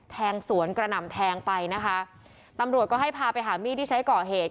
แทงสวนกระหน่ำแทงไปนะคะตำรวจก็ให้พาไปหามีดที่ใช้ก่อเหตุ